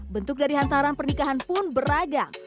bentuk dari hantaran pernikahan pun beragam